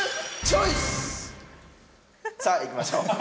さあいきましょう。